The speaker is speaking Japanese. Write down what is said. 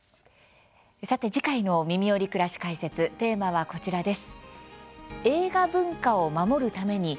さて次回の「みみより！くらし解説」テーマはこちらです。